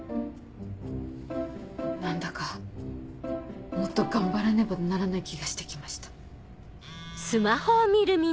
何だかもっと頑張らねばならない気がして来ました。